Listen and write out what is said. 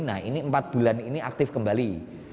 nah ini empat bulan ini aktif kembali